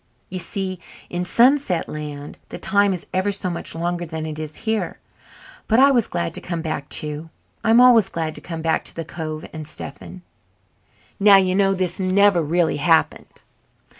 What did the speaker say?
You see, in Sunset Land the time is ever so much longer than it is here. But I was glad to come back too. I'm always glad to come back to the cove and Stephen. Now, you know this never really happened."